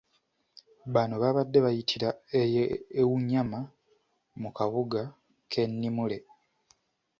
Bano babade bayitira e Unyama mu kabuga k'e Nimule.